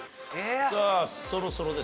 さあそろそろですよ。